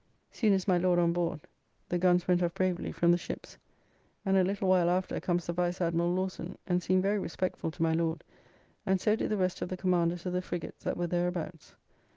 Soon as my Lord on board, the guns went off bravely from the ships. And a little while after comes the Vice Admiral Lawson, and seemed very respectful to my Lord, and so did the rest of the Commanders of the frigates that were thereabouts.